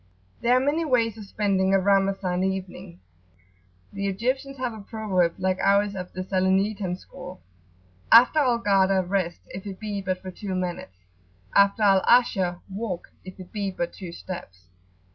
There are many ways of spending a Ramazan evening. The Egyptians have a proverb, like ours of the Salernitan school: [p.80]"After Al Ghada rest, if it be but for two moments: After Al Asha[FN#10] walk, if it be but two steps."